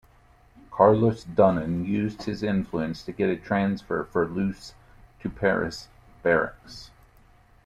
Carolus-Duran used his influence to get a transfer for Luce to Paris barracks.